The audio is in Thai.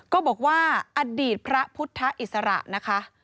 ก็บอกว่าอดีตพระพุทธอิสระนะคะ